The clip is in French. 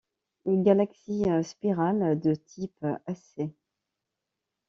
Galaxie spirale de type Sc.